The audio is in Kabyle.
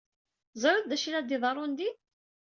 Teẓriḍ d acu i la iḍerrun din?